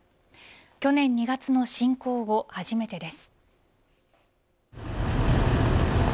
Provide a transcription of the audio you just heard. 去年２月の侵攻後初めてです。